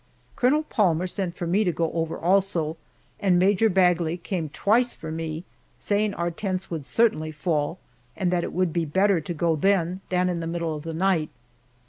Colonel Palmer sent for me to go over also, and Major Bagley came twice for me, saying our tents would certainly fall, and that it would be better to go then, than in the middle of the night.